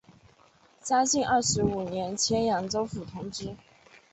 嘉靖二十五年迁扬州府同知。